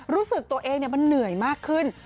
รู้สึกตัวเองมันเหนื่อยมากขึ้น